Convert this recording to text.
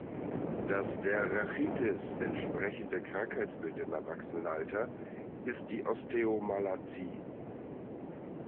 Das der Rachitis entsprechende Krankheitsbild im Erwachsenenalter ist die Osteomalazie.